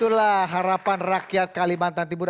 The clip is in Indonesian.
ya begitulah harapan rakyat kalimantan timur